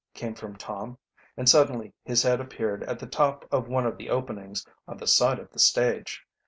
came from Tom, and suddenly his head appeared at the top of one of the openings on the side of the stage.